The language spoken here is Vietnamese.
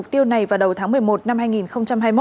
mục tiêu này vào đầu tháng một mươi một năm hai nghìn hai mươi một